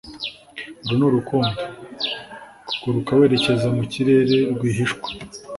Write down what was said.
uru ni urukundo: kuguruka werekeza mu kirere rwihishwa